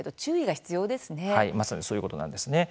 はい、まさにそういうことなんですね。